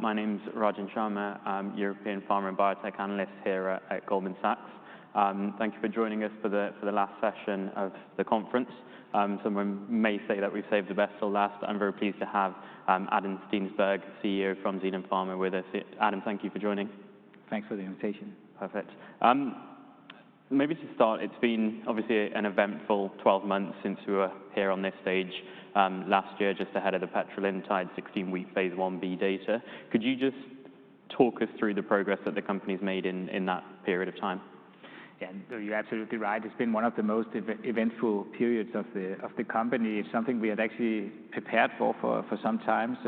My name's Rajan Sharma. I'm a European Pharma and Biotech Analyst here at Goldman Sachs. Thank you for joining us for the last session of the conference. Some may say that we've saved the best till last, but I'm very pleased to have Adam Steensberg, CEO from Zealand Pharma, with us. Adam, thank you for joining. Thanks for the invitation. Perfect. Maybe to start, it's been obviously an eventful 12 months since we were here on this stage last year, just ahead of the Petrelintide 16 week phase 1b data. Could you just talk us through the progress that the company's made in that period of time? Yeah, you're absolutely right. It's been one of the most eventful periods of the company. It's something we had actually prepared for for some time.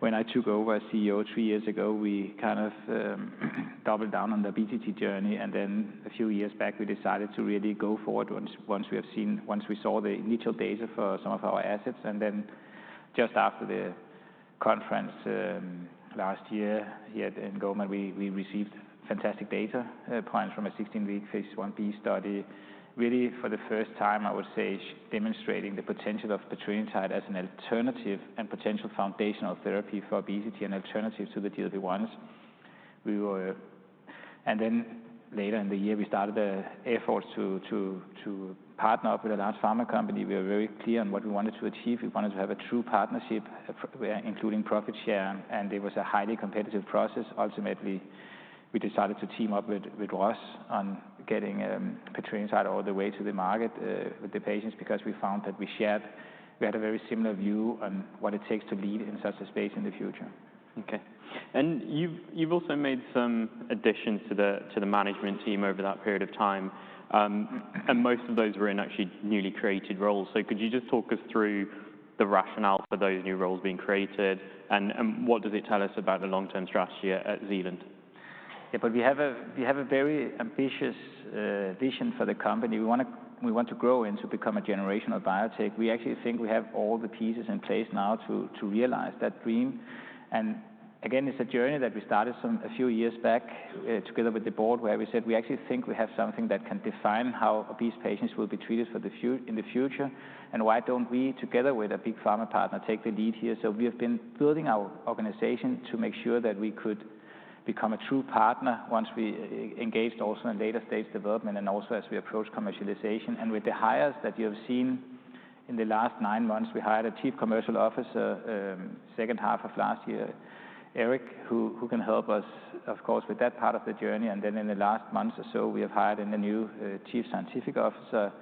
When I took over as CEO three years ago, we kind of doubled down on the BTT journey. A few years back, we decided to really go forward once we saw the initial data for some of our assets. Just after the conference last year here at Goldman Sachs, we received fantastic data points from a 16-week phase 1b study. Really, for the first time, I would say, demonstrating the potential of Petrelintide as an alternative and potential foundational therapy for obesity and alternatives to the GLP-1s. Later in the year, we started the efforts to partner up with a large pharma company. We were very clear on what we wanted to achieve. We wanted to have a true partnership, including profit share. It was a highly competitive process. Ultimately, we decided to team up with Roche on getting Petrelintide all the way to the market with the patients because we found that we shared, we had a very similar view on what it takes to lead in such a space in the future. Okay. You have also made some additions to the management team over that period of time. Most of those were in actually newly created roles. Could you just talk us through the rationale for those new roles being created? What does it tell us about the long-term strategy at Zealand? Yeah, we have a very ambitious vision for the company. We want to grow and to become a generational biotech. We actually think we have all the pieces in place now to realize that dream. Again, it's a journey that we started a few years back together with the board, where we said we actually think we have something that can define how obese patients will be treated in the future. Why don't we, together with a big pharma partner, take the lead here? We have been building our organization to make sure that we could become a true partner once we engaged also in later stage development and also as we approach commercialization. With the hires that you have seen in the last nine months, we hired a Chief Commercial Officer second half of last year, Eric, who can help us, of course, with that part of the journey. In the last months or so, we have hired a new Chief Scientific Officer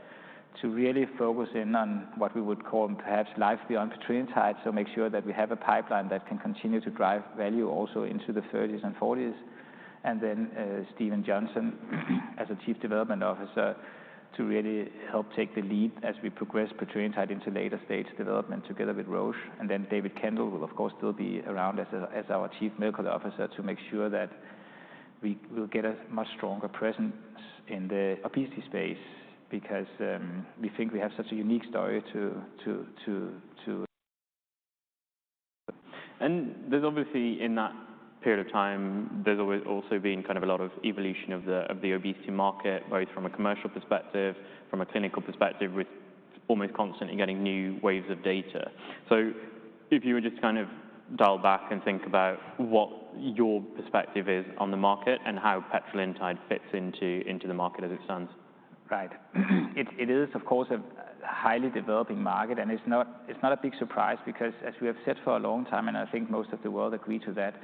to really focus in on what we would call perhaps life beyond Petrelintide, so make sure that we have a pipeline that can continue to drive value also into the 2030s and 2040s. Steven Johnson as a Chief Development Officer to really help take the lead as we progress Petrelintide into later stage development together with Roche. David Kendall will, of course, still be around as our Chief Medical Officer to make sure that we will get a much stronger presence in the obesity space because we think we have such a unique story too. There's obviously in that period of time, there's also been kind of a lot of evolution of the obesity market, both from a commercial perspective, from a clinical perspective, with almost constantly getting new waves of data. If you were just to kind of dial back and think about what your perspective is on the market and how Petrelintide fits into the market as it stands. Right. It is, of course, a highly developing market. It is not a big surprise because, as we have said for a long time, and I think most of the world agrees to that,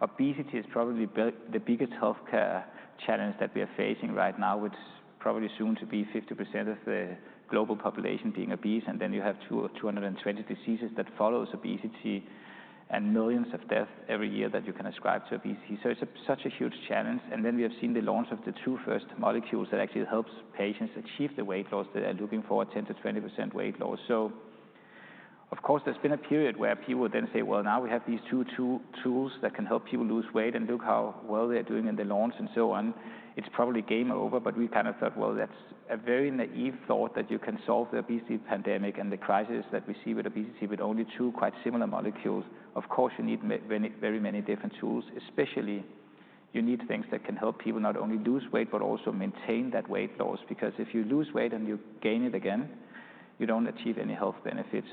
obesity is probably the biggest health care challenge that we are facing right now, which probably soon to be 50% of the global population being obese. You have 220 diseases that follow obesity and millions of deaths every year that you can ascribe to obesity. It is such a huge challenge. We have seen the launch of the two first molecules that actually help patients achieve the weight loss that they're looking for, 10-20% weight loss. Of course, there's been a period where people then say, well, now we have these two tools that can help people lose weight and look how well they're doing in the launch and so on. It's probably game over. We kind of thought, well, that's a very naive thought that you can solve the obesity pandemic and the crisis that we see with obesity with only two quite similar molecules. Of course, you need very many different tools, especially you need things that can help people not only lose weight, but also maintain that weight loss. Because if you lose weight and you gain it again, you don't achieve any health benefits.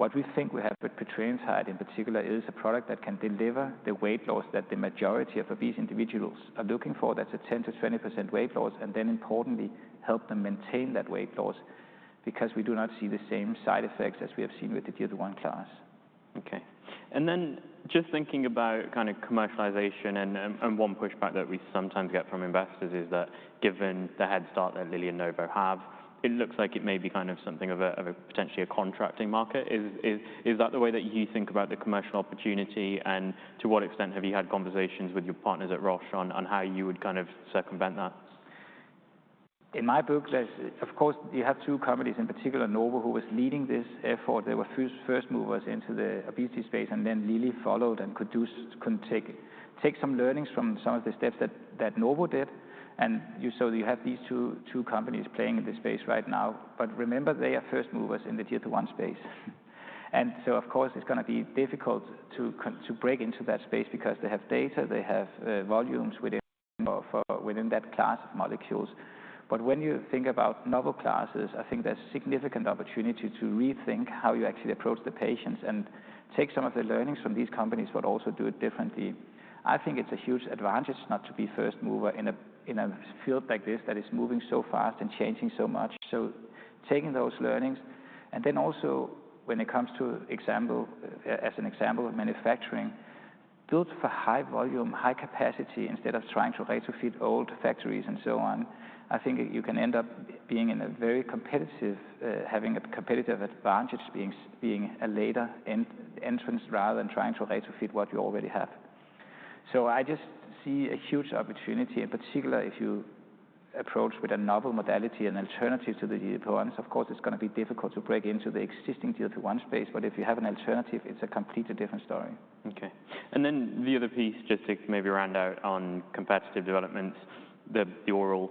What we think we have with Petrelintide in particular is a product that can deliver the weight loss that the majority of obese individuals are looking for. That's a 10-20% weight loss. Importantly, help them maintain that weight loss because we do not see the same side effects as we have seen with the GLP-1 class. Okay. And then just thinking about kind of commercialization and one pushback that we sometimes get from investors is that given the head start that Lilly and Novo have, it looks like it may be kind of something of a potentially a contracting market. Is that the way that you think about the commercial opportunity? To what extent have you had conversations with your partners at Roche on how you would kind of circumvent that? In my book, of course, you have two companies in particular, Novo, who was leading this effort. They were first movers into the obesity space. Then Lilly followed and could take some learnings from some of the steps that Novo did. You have these two companies playing in this space right now. Remember, they are first movers in the GLP-1 space. Of course, it's going to be difficult to break into that space because they have data, they have volumes within that class of molecules. When you think about novel classes, I think there's significant opportunity to rethink how you actually approach the patients and take some of the learnings from these companies, but also do it differently. I think it's a huge advantage not to be first mover in a field like this that is moving so fast and changing so much. Taking those learnings, and then also when it comes to, as an example, manufacturing built for high volume, high capacity, instead of trying to retrofit old factories and so on, I think you can end up being in a very competitive, having a competitive advantage being a later entrance rather than trying to retrofit what you already have. I just see a huge opportunity, in particular, if you approach with a novel modality and alternative to the GLP-1s. Of course, it's going to be difficult to break into the existing GLP-1 space. If you have an alternative, it's a completely different story. Okay. And then the other piece, just to maybe round out on competitive developments, the oral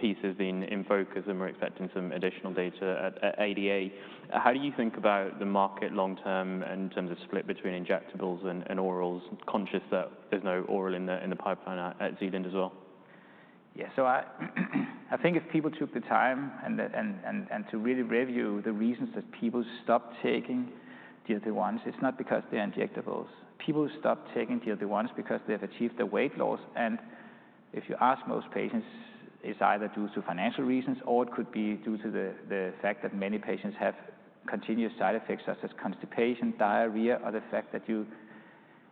piece has been in focus and we're expecting some additional data at ADA. How do you think about the market long term in terms of split between injectables and orals, conscious that there's no oral in the pipeline at Zealand as well? Yeah. So I think if people took the time to really review the reasons that people stopped taking GLP-1s, it's not because they're injectables. People stopped taking GLP-1s because they have achieved their weight loss. If you ask most patients, it's either due to financial reasons or it could be due to the fact that many patients have continuous side effects such as constipation, diarrhea, or the fact that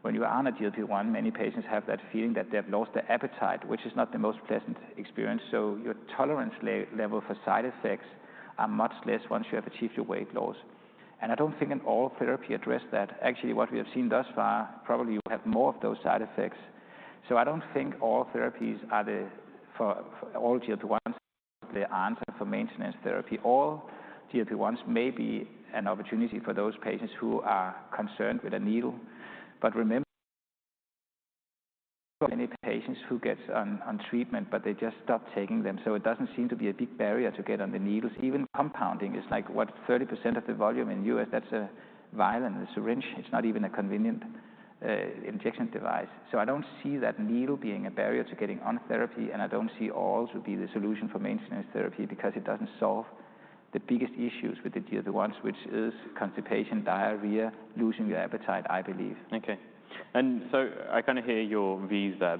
when you are on a GLP-1, many patients have that feeling that they have lost their appetite, which is not the most pleasant experience. Your tolerance level for side effects is much less once you have achieved your weight loss. I don't think an oral therapy addressed that. Actually, what we have seen thus far, probably you have more of those side effects. I don't think all therapies are the, for all GLP-1s, the answer for maintenance therapy. All GLP-1s may be an opportunity for those patients who are concerned with a needle. But remember, many patients who get on treatment, but they just stop taking them. It doesn't seem to be a big barrier to get on the needles. Even compounding, it's like what, 30% of the volume in the US, that's a vial, a syringe. It's not even a convenient injection device. I don't see that needle being a barrier to getting on therapy. I don't see oral to be the solution for maintenance therapy because it doesn't solve the biggest issues with the GLP-1s, which is constipation, diarrhea, losing your appetite, I believe. Okay. I kind of hear your views there.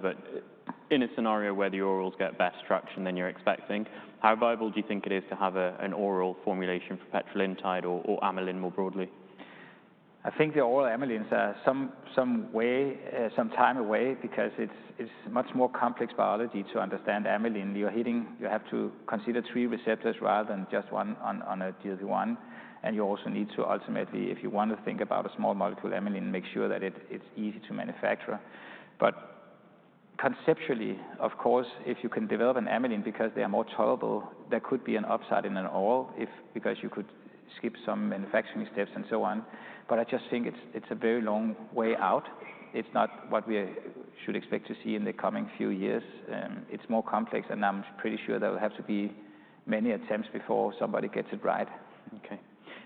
In a scenario where the orals get better traction than you're expecting, how viable do you think it is to have an oral formulation for Petrelintide or amylin more broadly? I think the oral amylin is some way, some time away because it's much more complex biology to understand amylin. You have to consider three receptors rather than just one on a GLP-1. You also need to ultimately, if you want to think about a small molecule amylin, make sure that it's easy to manufacture. Conceptually, of course, if you can develop an amylin because they are more tolerable, there could be an upside in an oral because you could skip some manufacturing steps and so on. I just think it's a very long way out. It's not what we should expect to see in the coming few years. It's more complex. I'm pretty sure there will have to be many attempts before somebody gets it right. Okay.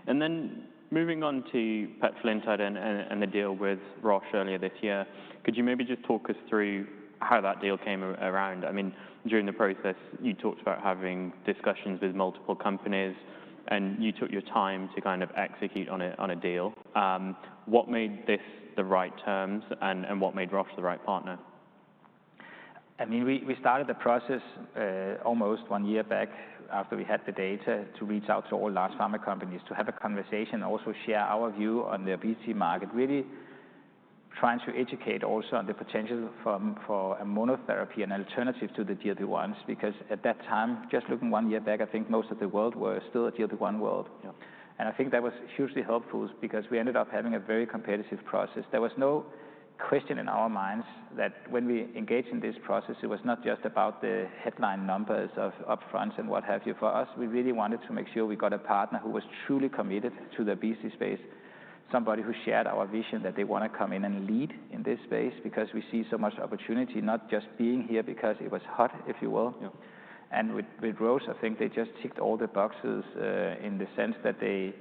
And then moving on to Petrelintide and the deal with Roche earlier this year, could you maybe just talk us through how that deal came around? I mean, during the process, you talked about having discussions with multiple companies. And you took your time to kind of execute on a deal. What made this the right terms and what made Roche the right partner? I mean, we started the process almost one year back after we had the data to reach out to all large pharma companies to have a conversation, also share our view on the obesity market, really trying to educate also on the potential for a monotherapy, an alternative to the GLP-1s. Because at that time, just looking one year back, I think most of the world were still a GLP-1 world. I think that was hugely helpful because we ended up having a very competitive process. There was no question in our minds that when we engage in this process, it was not just about the headline numbers of upfronts and what have you. For us, we really wanted to make sure we got a partner who was truly committed to the obesity space, somebody who shared our vision that they want to come in and lead in this space because we see so much opportunity, not just being here because it was hot, if you will. With Roche, I think they just ticked all the boxes in the sense that they,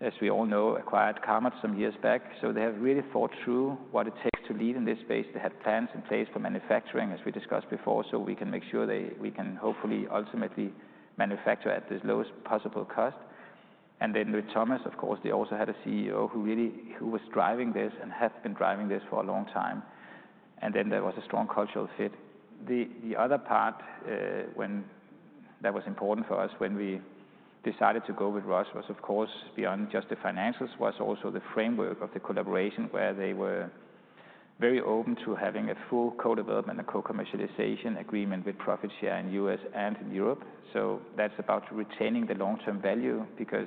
as we all know, acquired Carmot some years back. They have really thought through what it takes to lead in this space. They had plans in place for manufacturing, as we discussed before, so we can make sure we can hopefully ultimately manufacture at the lowest possible cost. With Thomas, of course, they also had a CEO who was driving this and had been driving this for a long time. There was a strong cultural fit. The other part that was important for us when we decided to go with Roche was, of course, beyond just the financials, was also the framework of the collaboration where they were very open to having a full co-development and co-commercialization agreement with profit share in the U.S. and in Europe. That is about retaining the long-term value because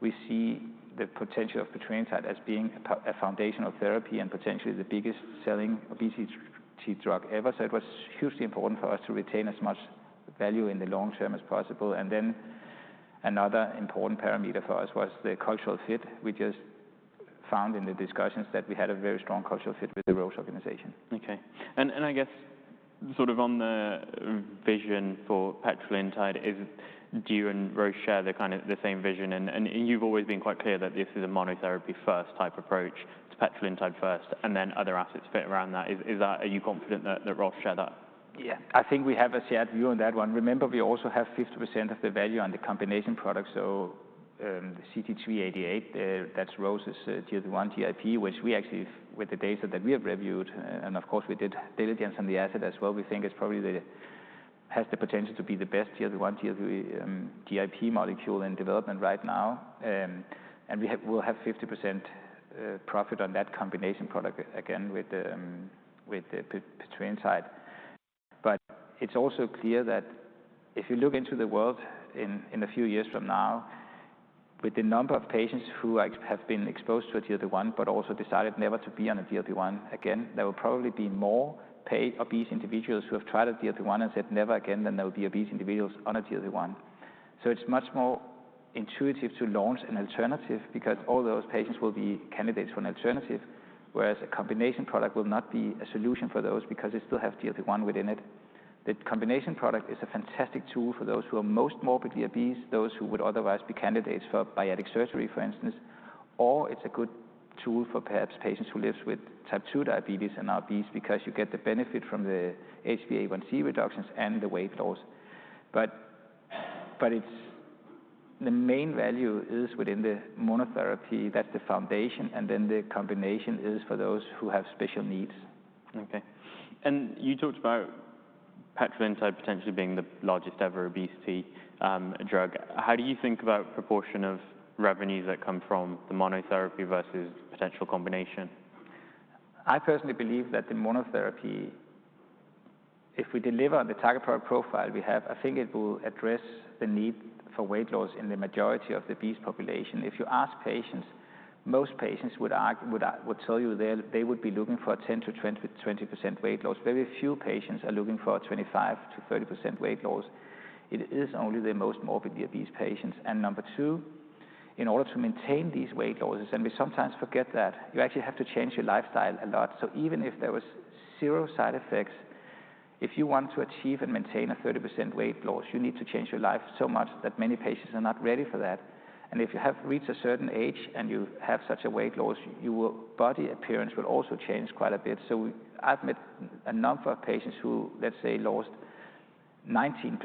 we see the potential of Petrelintide as being a foundational therapy and potentially the biggest selling obesity drug ever. It was hugely important for us to retain as much value in the long term as possible. Another important parameter for us was the cultural fit. We just found in the discussions that we had a very strong cultural fit with the Roche organization. Okay. I guess sort of on the vision for Petrelintide, do you and Roche share the same vision? You've always been quite clear that this is a monotherapy first type approach. It's Petrelintide first and then other assets fit around that. Are you confident that Roche share that? Yeah. I think we have a shared view on that one. Remember, we also have 50% of the value on the combination product. The CT388, that's Roche's GLP-1/GIP, which we actually, with the data that we have reviewed, and of course, we did diligence on the asset as well, we think it probably has the potential to be the best GLP-1/GIP molecule in development right now. We will have 50% profit on that combination product again with the Petrelintide. It is also clear that if you look into the world in a few years from now, with the number of patients who have been exposed to a GLP-1 but also decided never to be on a GLP-1 again, there will probably be more obese individuals who have tried a GLP-1 and said never again than there will be obese individuals on a GLP-1. It is much more intuitive to launch an alternative because all those patients will be candidates for an alternative, whereas a combination product will not be a solution for those because it still has GLP-1 within it. The combination product is a fantastic tool for those who are most morbidly obese, those who would otherwise be candidates for bariatric surgery, for instance. Or it is a good tool for perhaps patients who live with type two diabetes and are obese because you get the benefit from the HbA1c reductions and the weight loss. The main value is within the monotherapy. That is the foundation. The combination is for those who have special needs. Okay. You talked about Petrelintide potentially being the largest ever obesity drug. How do you think about the proportion of revenues that come from the monotherapy versus potential combination? I personally believe that the monotherapy, if we deliver the target product profile we have, I think it will address the need for weight loss in the majority of the obese population. If you ask patients, most patients would tell you they would be looking for a 10-20% weight loss. Very few patients are looking for a 25-30% weight loss. It is only the most morbidly obese patients. Number two, in order to maintain these weight losses, and we sometimes forget that, you actually have to change your lifestyle a lot. Even if there were zero side effects, if you want to achieve and maintain a 30% weight loss, you need to change your life so much that many patients are not ready for that. If you have reached a certain age and you have such a weight loss, your body appearance will also change quite a bit. I have met a number of patients who, let's say, lost 19%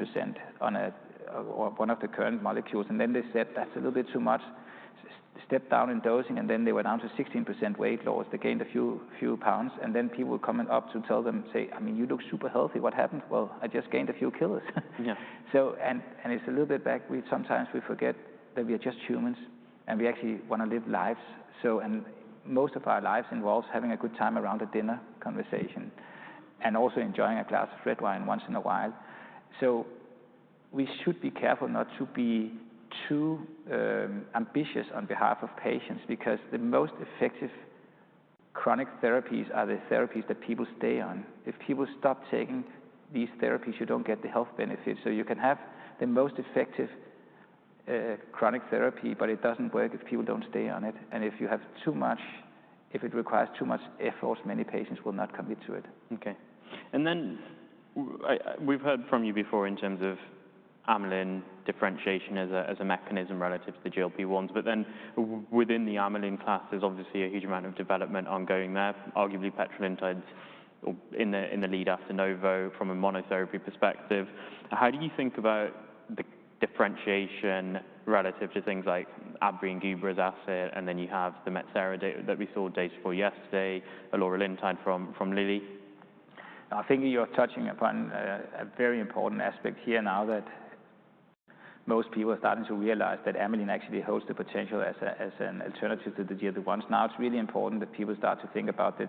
on one of the current molecules. They said, "That's a little bit too much. Step down in dosing." Then they were down to 16% weight loss. They gained a few pounds. People would come up to tell them, say, "I mean, you look super healthy. What happened?" "I just gained a few kilos." It is a little bit back. Sometimes we forget that we are just humans and we actually want to live lives. Most of our lives involves having a good time around a dinner conversation and also enjoying a glass of red wine once in a while. We should be careful not to be too ambitious on behalf of patients because the most effective chronic therapies are the therapies that people stay on. If people stop taking these therapies, you do not get the health benefits. You can have the most effective chronic therapy, but it does not work if people do not stay on it. If it requires too much effort, many patients will not commit to it. Okay. And then we've heard from you before in terms of amylin differentiation as a mechanism relative to the GLP-1s. Within the amylin class, there's obviously a huge amount of development ongoing there, arguably Petrelintide in the lead after Novo from a monotherapy perspective. How do you think about the differentiation relative to things like Abri and Gubra's asset? You have the Mazdutide data that we saw days before yesterday, Aloralintide from Lilly. I think you're touching upon a very important aspect here now that most people are starting to realize that amylin actually holds the potential as an alternative to the GLP-1s. Now it's really important that people start to think about the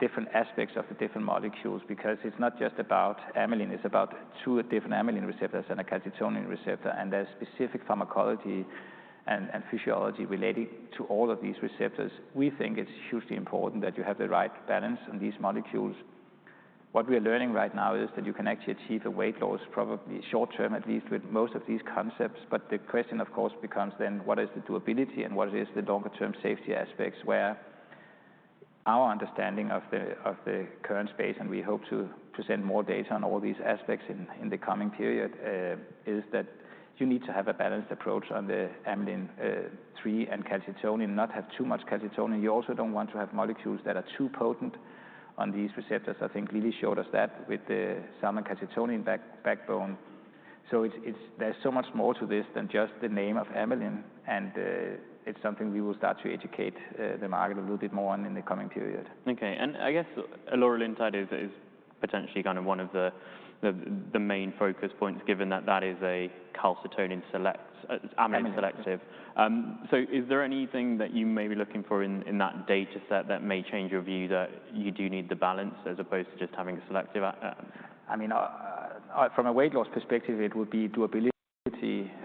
different aspects of the different molecules because it's not just about amylin. It's about two different amylin receptors and a calcitonin receptor. And there's specific pharmacology and physiology relating to all of these receptors. We think it's hugely important that you have the right balance on these molecules. What we are learning right now is that you can actually achieve a weight loss probably short term, at least with most of these concepts. The question, of course, becomes then what is the durability and what are the longer term safety aspects where our understanding of the current space, and we hope to present more data on all these aspects in the coming period, is that you need to have a balanced approach on the amylin 3 and calcitonin, not have too much calcitonin. You also do not want to have molecules that are too potent on these receptors. I think Lilly showed us that with the summer calcitonin backbone. There is so much more to this than just the name of amylin. It is something we will start to educate the market a little bit more on in the coming period. Okay. I guess petrelintide is potentially kind of one of the main focus points given that that is a calcitonin amylin selective. Is there anything that you may be looking for in that data set that may change your view that you do need the balance as opposed to just having a selective? I mean, from a weight loss perspective, it would be durability.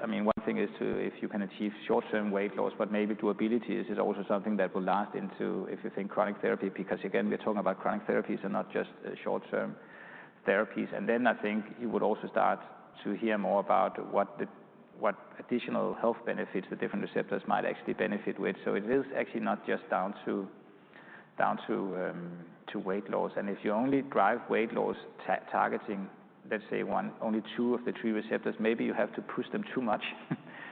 I mean, one thing is if you can achieve short term weight loss, but maybe durability is also something that will last into if you think chronic therapy because, again, we're talking about chronic therapies and not just short term therapies. I think you would also start to hear more about what additional health benefits the different receptors might actually benefit with. It is actually not just down to weight loss. If you only drive weight loss targeting, let's say, only two of the three receptors, maybe you have to push them too much.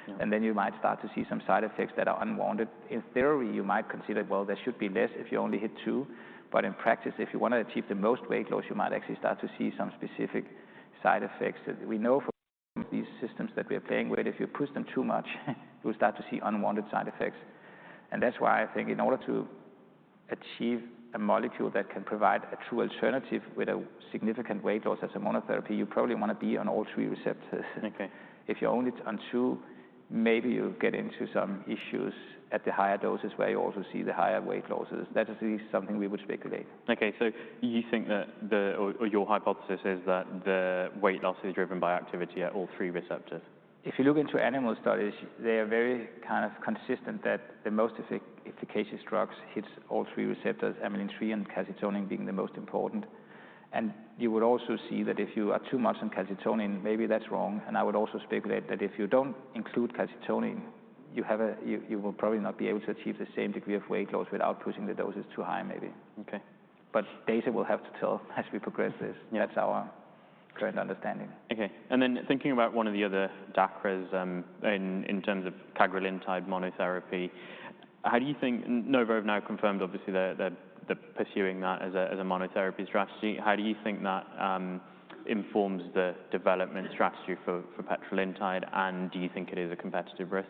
You might start to see some side effects that are unwanted. In theory, you might consider, well, there should be less if you only hit two. In practice, if you want to achieve the most weight loss, you might actually start to see some specific side effects. We know from these systems that we are playing with, if you push them too much, you will start to see unwanted side effects. That is why I think in order to achieve a molecule that can provide a true alternative with a significant weight loss as a monotherapy, you probably want to be on all three receptors. If you're only on two, maybe you'll get into some issues at the higher doses where you also see the higher weight losses. That is something we would speculate. Okay. So you think that your hypothesis is that the weight loss is driven by activity at all three receptors? If you look into animal studies, they are very kind of consistent that the most efficacious drugs hit all three receptors, amylin, 3, and calcitonin being the most important. You would also see that if you are too much on calcitonin, maybe that's wrong. I would also speculate that if you don't include calcitonin, you will probably not be able to achieve the same degree of weight loss without pushing the doses too high maybe. Data will have to tell as we progress this. That's our current understanding. Okay. And then thinking about one of the other dacras in terms of Cagrilintide monotherapy, how do you think Novo have now confirmed, obviously, they're pursuing that as a monotherapy strategy. How do you think that informs the development strategy for Petrelintide? And do you think it is a competitive risk?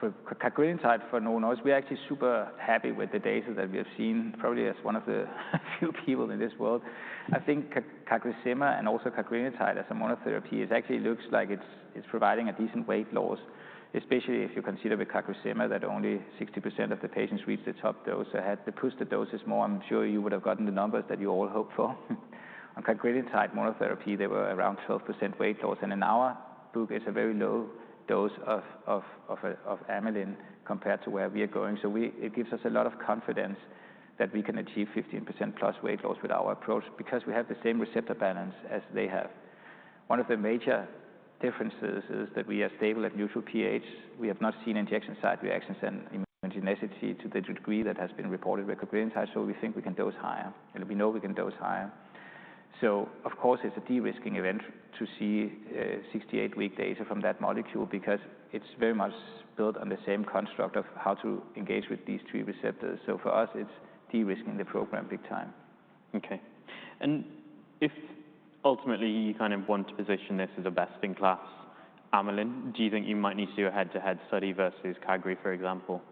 For Cagrilintide for Novo Nordisk, we're actually super happy with the data that we have seen, probably as one of the few people in this world. I think CagriSema and also Cagrilintide as a monotherapy actually looks like it's providing a decent weight loss, especially if you consider with CagriSema that only 60% of the patients reach the top dose. Had they pushed the doses more, I'm sure you would have gotten the numbers that you all hope for. On Cagrilintide monotherapy, they were around 12% weight loss. In our book, it's a very low dose of amylin compared to where we are going. It gives us a lot of confidence that we can achieve 15% plus weight loss with our approach because we have the same receptor balance as they have. One of the major differences is that we are stable at neutral pH. We have not seen injection site reactions and immunogenicity to the degree that has been reported with Cagrilintide. We think we can dose higher. We know we can dose higher. Of course, it's a de-risking event to see 68-week data from that molecule because it's very much built on the same construct of how to engage with these three receptors. For us, it's de-risking the program big time. Okay. If ultimately you kind of want to position this as a best-in-class amylin, do you think you might need to do a head-to-head study versus Cagrilintide, for example?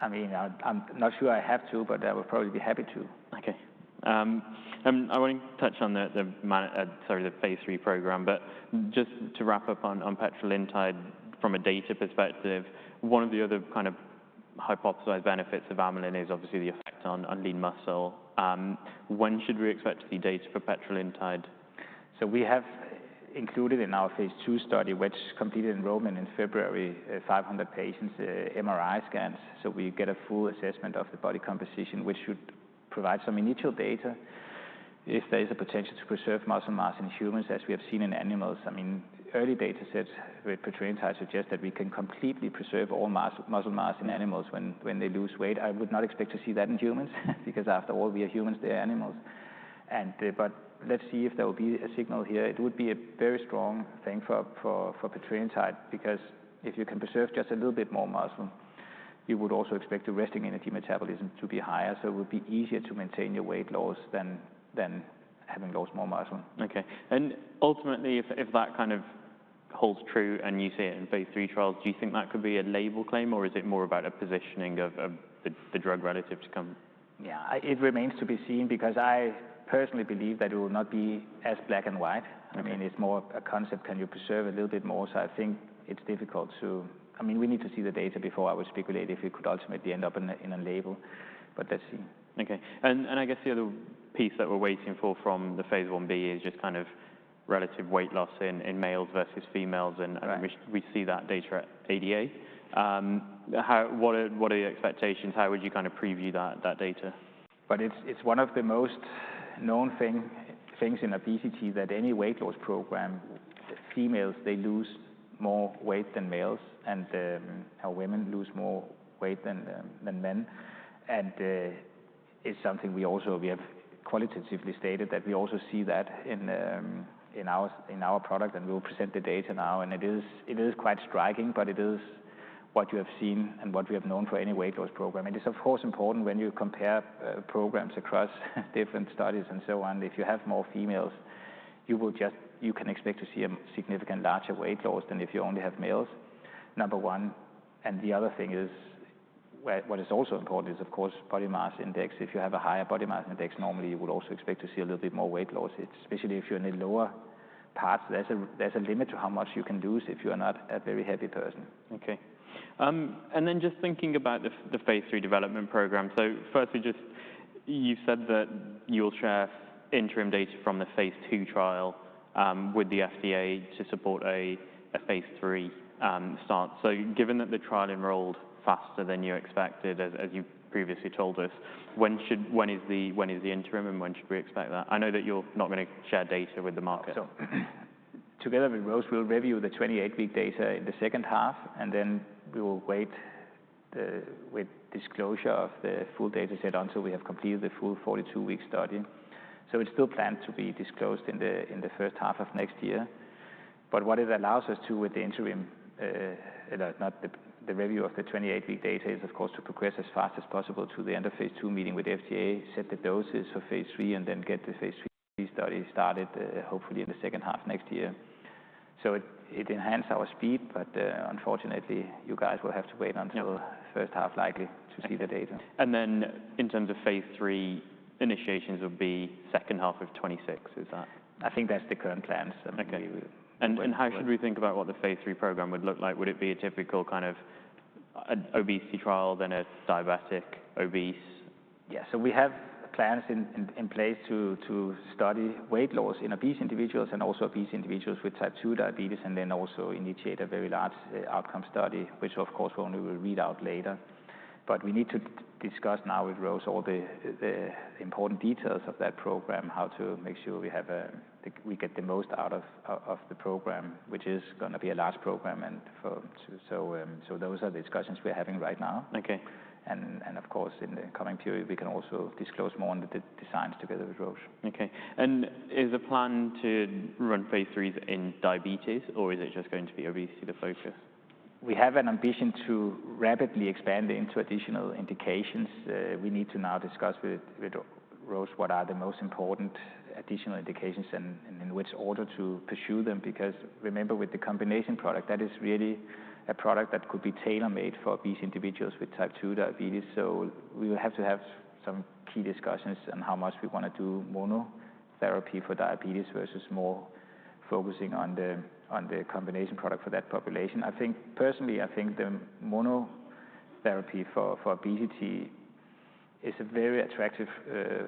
I mean, I'm not sure I have to, but I would probably be happy to. Okay. I want to touch on the, sorry, the phase three program. Just to wrap up on Petrelintide from a data perspective, one of the other kind of hypothesized benefits of amylin is obviously the effect on lean muscle. When should we expect to see data for Petrelintide? We have included in our phase 2 study, which completed enrollment in February, 500 patients' MRI scans. We get a full assessment of the body composition, which should provide some initial data. If there is a potential to preserve muscle mass in humans as we have seen in animals, I mean, early data sets with Petrelintide suggest that we can completely preserve all muscle mass in animals when they lose weight. I would not expect to see that in humans because after all, we are humans, they are animals. Let's see if there will be a signal here. It would be a very strong thing for Petrelintide because if you can preserve just a little bit more muscle, you would also expect the resting energy metabolism to be higher. It would be easier to maintain your weight loss than having lost more muscle. Okay. Ultimately, if that kind of holds true and you see it in phase three trials, do you think that could be a label claim or is it more about a positioning of the drug relative to come? Yeah, it remains to be seen because I personally believe that it will not be as black and white. I mean, it's more a concept, can you preserve a little bit more? I think it's difficult to, I mean, we need to see the data before I would speculate if it could ultimately end up in a label. Let's see. Okay. I guess the other piece that we're waiting for from the phase 1b is just kind of relative weight loss in males versus females. Will we see that data at ADA? What are your expectations? How would you kind of preview that data? It is one of the most known things in obesity that any weight loss program, females, they lose more weight than males. Women lose more weight than men. It is something we also, we have qualitatively stated that we also see that in our product. We will present the data now. It is quite striking, but it is what you have seen and what we have known for any weight loss program. It is, of course, important when you compare programs across different studies and so on. If you have more females, you can expect to see a significantly larger weight loss than if you only have males, number one. The other thing is what is also important is, of course, body mass index. If you have a higher body mass index, normally you would also expect to see a little bit more weight loss, especially if you're in the lower parts. There's a limit to how much you can lose if you're not a very heavy person. Okay. And then just thinking about the phase three development program. First, you said that you'll share interim data from the phase two trial with the FDA to support a phase three start. Given that the trial enrolled faster than you expected, as you previously told us, when is the interim and when should we expect that? I know that you're not going to share data with the market. Together with Roche, we'll review the 28-week data in the second half. We will wait with disclosure of the full data set until we have completed the full 42-week study. It is still planned to be disclosed in the first half of next year. What it allows us to do with the interim, not the review of the 28-week data, is, of course, to progress as fast as possible to the end of phase two, meeting with the FDA, set the doses for phase three, and then get the phase three study started hopefully in the second half next year. It enhances our speed, but unfortunately, you guys will have to wait until the first half likely to see the data. In terms of phase three initiations, would be second half of 2026, is that? I think that's the current plans. Okay. How should we think about what the phase three program would look like? Would it be a typical kind of obesity trial, then a diabetic obese? Yeah. We have plans in place to study weight loss in obese individuals and also obese individuals with type two diabetes, and then also initiate a very large outcome study, which of course we'll read out later. We need to discuss now with Roche all the important details of that program, how to make sure we get the most out of the program, which is going to be a large program. Those are the discussions we're having right now. In the coming period, we can also disclose more on the designs together with Roche. Okay. Is the plan to run phase threes in diabetes, or is it just going to be obesity the focus? We have an ambition to rapidly expand into additional indications. We need to now discuss with Roche what are the most important additional indications and in which order to pursue them because remember with the combination product, that is really a product that could be tailor-made for obese individuals with type two diabetes. We will have to have some key discussions on how much we want to do monotherapy for diabetes versus more focusing on the combination product for that population. I think personally, I think the monotherapy for obesity is a very attractive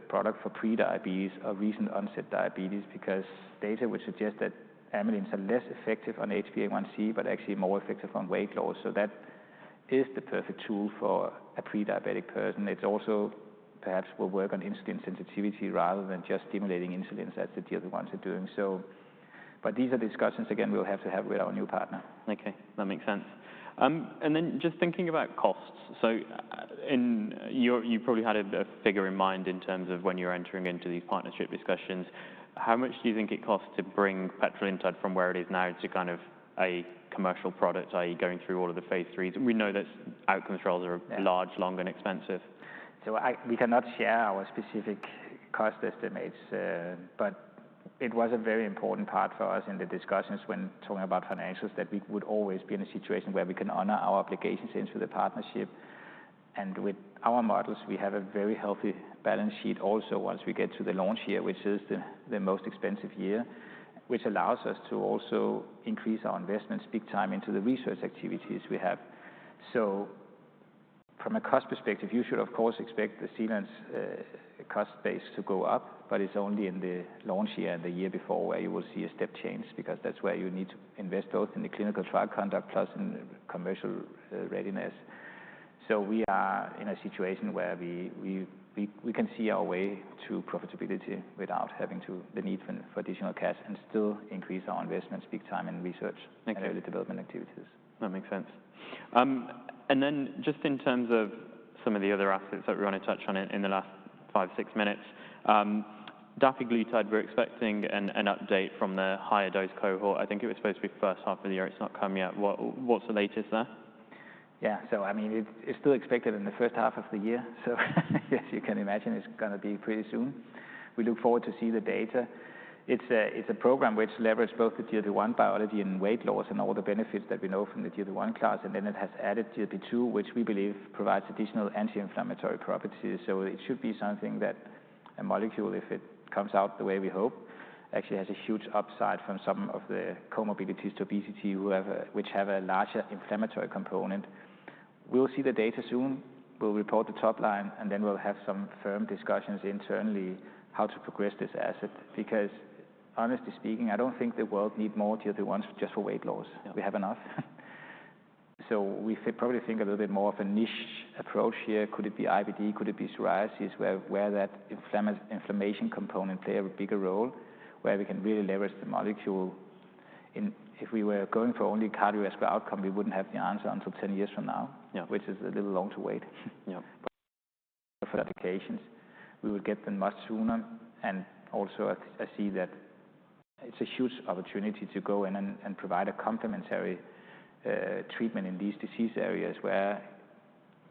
product for prediabetes or recent onset diabetes because data would suggest that amylins are less effective on HbA1c, but actually more effective on weight loss. That is the perfect tool for a prediabetic person. It also perhaps will work on insulin sensitivity rather than just stimulating insulin. That is the deal the ones are doing. These are discussions again we'll have to have with our new partner. Okay. That makes sense. And then just thinking about costs. You probably had a figure in mind in terms of when you're entering into these partnership discussions. How much do you think it costs to bring Petrelintide from where it is now to kind of a commercial product, i.e., going through all of the phase threes? We know that outcome trials are large, long, and expensive. We cannot share our specific cost estimates. It was a very important part for us in the discussions when talking about financials that we would always be in a situation where we can honor our obligations into the partnership. With our models, we have a very healthy balance sheet also once we get to the launch year, which is the most expensive year, which allows us to also increase our investments big time into the research activities we have. From a cost perspective, you should of course expect Zealand cost base to go up, but it is only in the launch year and the year before where you will see a step change because that is where you need to invest both in the clinical trial conduct plus in commercial readiness. We are in a situation where we can see our way to profitability without having to the need for additional cash and still increase our investments big time in research and early development activities. That makes sense. Just in terms of some of the other aspects that we want to touch on in the last five, six minutes, Dafiglutide, we're expecting an update from the higher dose cohort. I think it was supposed to be first half of the year. It's not come yet. What's the latest there? Yeah. I mean, it's still expected in the first half of the year. Yes, you can imagine it's going to be pretty soon. We look forward to see the data. It's a program which leverages both the GLP-1 biology and weight loss and all the benefits that we know from the GLP-1 class. Then it has added GLP-2, which we believe provides additional anti-inflammatory properties. It should be something that a molecule, if it comes out the way we hope, actually has a huge upside from some of the comorbidities to obesity, which have a larger inflammatory component. We'll see the data soon. We'll report the top line. Then we'll have some firm discussions internally how to progress this asset because honestly speaking, I don't think the world needs more GLP-1s just for weight loss. We have enough. We probably think a little bit more of a niche approach here. Could it be IBD? Could it be psoriasis where that inflammation component plays a bigger role where we can really leverage the molecule? If we were going for only cardiovascular outcome, we wouldn't have the answer until 10 years from now, which is a little long to wait. Yeah. For medications. We will get them much sooner. I see that it's a huge opportunity to go in and provide a complementary treatment in these disease areas where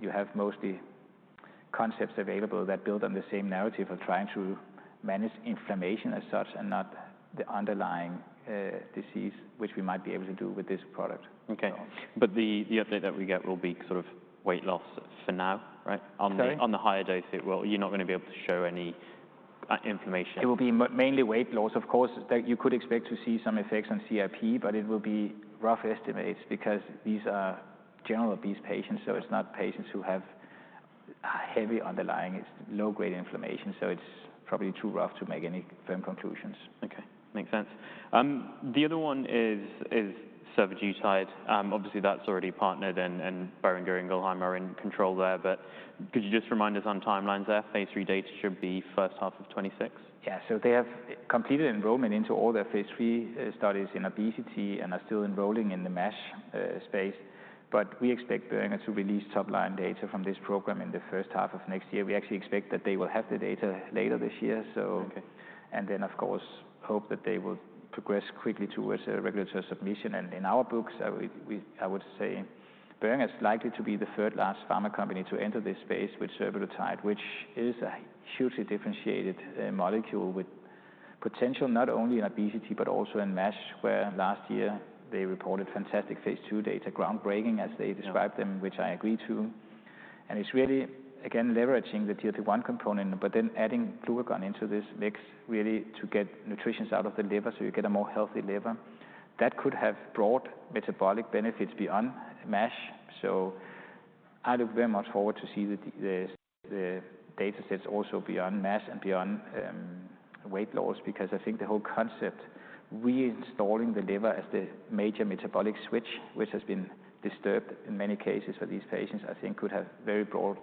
you have mostly concepts available that build on the same narrative of trying to manage inflammation as such and not the underlying disease, which we might be able to do with this product. Okay. The update that we get will be sort of weight loss for now, right? On the higher dose, you're not going to be able to show any inflammation. It will be mainly weight loss. Of course, you could expect to see some effects on CRP, but it will be rough estimates because these are general obese patients. It is not patients who have heavy underlying low-grade inflammation. It is probably too rough to make any firm conclusions. Okay. Makes sense. The other one is Survodutide. Obviously, that's already partnered and Boehringer Ingelheim are in control there. Could you just remind us on timelines there, phase three data should be first half of 2026? Yeah. They have completed enrollment into all their phase three studies in obesity and are still enrolling in the MASH space. We expect Boehringer to release top line data from this program in the first half of next year. We actually expect that they will have the data later this year. Of course, hope that they will progress quickly towards a regulatory submission. In our books, I would say Boehringer is likely to be the third last pharma company to enter this space with Survodutide, which is a hugely differentiated molecule with potential not only in obesity, but also in MASH, where last year they reported fantastic phase two data, groundbreaking as they described them, which I agree to. It is really, again, leveraging the GLP-1 component, but then adding glucagon into this mix really to get nutritions out of the liver so you get a more healthy liver. That could have broad metabolic benefits beyond MASH. I look very much forward to seeing the data sets also beyond MASH and beyond weight loss because I think the whole concept reinstalling the liver as the major metabolic switch, which has been disturbed in many cases for these patients, I think could have very broad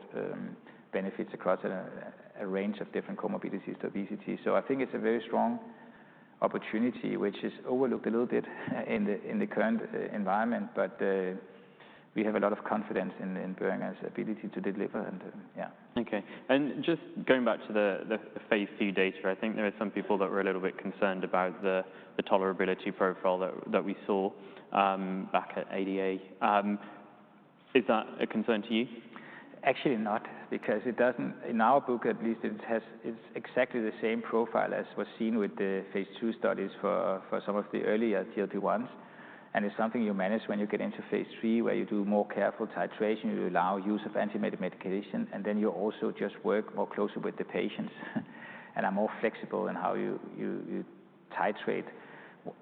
benefits across a range of different comorbidities to obesity. I think it is a very strong opportunity, which is overlooked a little bit in the current environment, but we have a lot of confidence in Boehringer's ability to deliver. Yeah. Okay. Just going back to the phase two data, I think there were some people that were a little bit concerned about the tolerability profile that we saw back at ADA. Is that a concern to you? Actually not because it doesn't, in our book at least, it's exactly the same profile as was seen with the phase two studies for some of the earlier GLP-1s. And it's something you manage when you get into phase three where you do more careful titration, you allow use of anti-medication, and then you also just work more closely with the patients. I'm more flexible in how you titrate.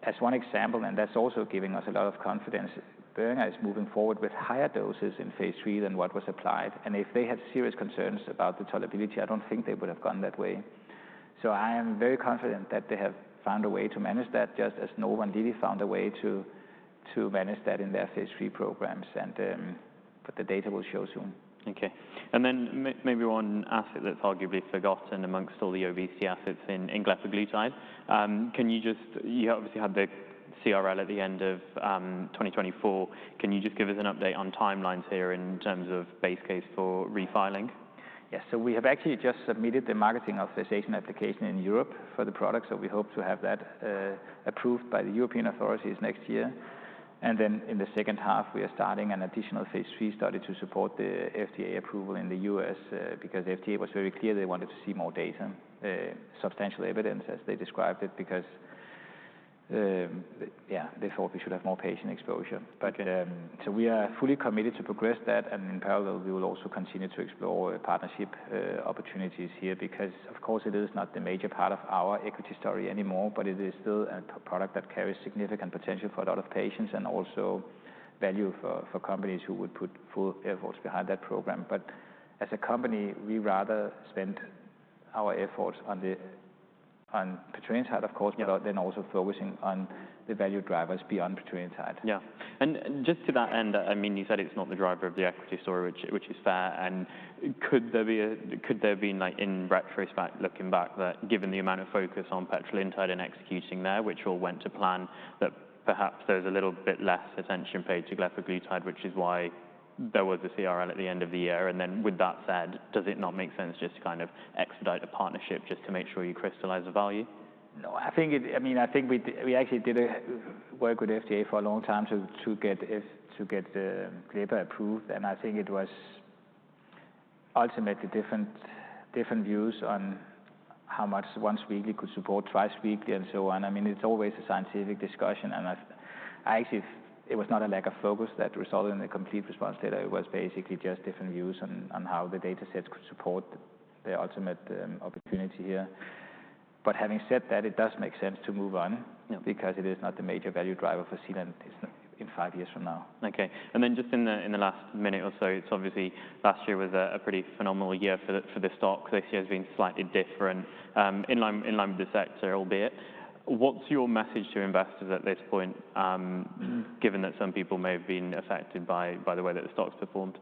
As one example, and that's also giving us a lot of confidence, Boehringer is moving forward with higher doses in phase three than what was applied. If they had serious concerns about the tolerability, I don't think they would have gone that way. I am very confident that they have found a way to manage that, just as no one really found a way to manage that in their phase three programs. The data will show soon. Okay. And then maybe one asset that's arguably forgotten amongst all the obesity assets in glepaglutide. Can you just, you obviously had the CRL at the end of 2024. Can you just give us an update on timelines here in terms of base case for refiling? Yes. We have actually just submitted the marketing authorization application in Europe for the product. We hope to have that approved by the European authorities next year. In the second half, we are starting an additional phase three study to support the FDA approval in the U.S. because FDA was very clear they wanted to see more data, substantial evidence as they described it because, yeah, they thought we should have more patient exposure. We are fully committed to progress that. In parallel, we will also continue to explore partnership opportunities here because, of course, it is not the major part of our equity story anymore, but it is still a product that carries significant potential for a lot of patients and also value for companies who would put full efforts behind that program. As a company, we rather spend our efforts on the Petrelintide side, of course, but then also focusing on the value drivers beyond Petrelintide side. Yeah. And just to that end, I mean, you said it's not the driver of the equity story, which is fair. Could there be, like in retrospect looking back, that given the amount of focus on Petrelintide and executing there, which all went to plan, that perhaps there's a little bit less attention paid to Glepaglutide, which is why there was a CRL at the end of the year? With that said, does it not make sense just to kind of expedite a partnership just to make sure you crystallize the value? No. I mean, I think we actually did work with FDA for a long time to get the paper approved. I think it was ultimately different views on how much once weekly could support twice weekly and so on. I mean, it's always a scientific discussion. Actually, it was not a lack of focus that resulted in the complete response data. It was basically just different views on how the data sets could support the ultimate opportunity here. Having said that, it does make sense to move on because it is not the major value driver for Zealand in five years from now. Okay. In the last minute or so, it's obviously last year was a pretty phenomenal year for the stock. This year has been slightly different in line with the sector, albeit. What's your message to investors at this point, given that some people may have been affected by the way that the stock's performed?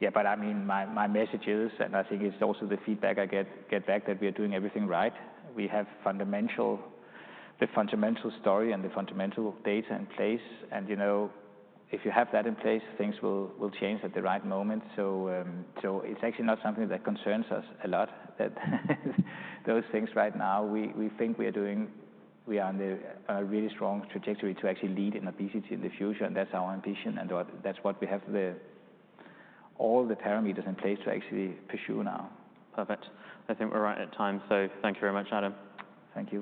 Yeah. I mean, my message is, and I think it's also the feedback I get back, that we are doing everything right. We have the fundamental story and the fundamental data in place. If you have that in place, things will change at the right moment. It's actually not something that concerns us a lot, those things right now. We think we are on a really strong trajectory to actually lead in obesity in the future. That's our ambition. That's what we have all the parameters in place to actually pursue now. Perfect. I think we're right at time. So thank you very much, Adam. Thank you.